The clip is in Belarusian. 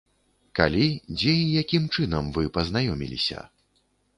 Калі, дзе і якім чынам вы пазнаёміліся?